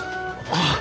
ああ。